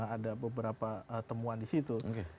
ada beberapa temuan di situ